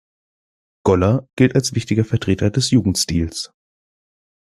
Goller gilt als wichtiger Vertreter des Jugendstils.